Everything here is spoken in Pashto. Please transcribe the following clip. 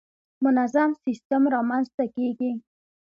منظم سیستم رامنځته کېږي.